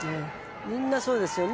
みんなそうですよ。